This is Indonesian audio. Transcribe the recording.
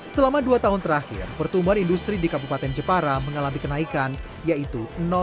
selama dua tahun terakhir pertumbuhan industri di kabupaten jepara mengalami kenaikan yaitu tiga puluh delapan persen